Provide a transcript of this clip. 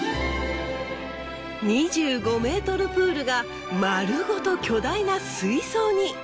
２５ｍプールが丸ごと巨大な水槽に。